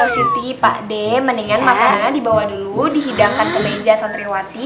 siti pak d mendingan makanan dibawa dulu dihidangkan ke meja santriwati